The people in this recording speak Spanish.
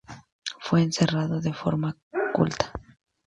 Fue enterrado de forma oculta.